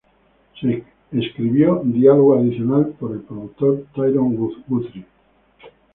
Se escribió diálogo adicional por el productor, Tyrone Guthrie.